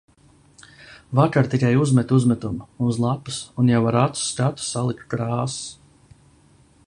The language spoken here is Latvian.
Vakar tikai uzmetu uzmetumu uz lapas un jau ar acu skatu saliku krāsas.